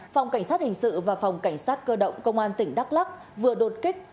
phòng cảnh sát hình sự và phòng cảnh sát cơ động công an tỉnh đắk lắc vừa đột kích